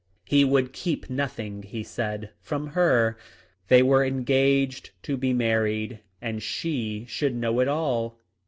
He would keep nothing, he said, from her. They were engaged to be married, and she should know it all.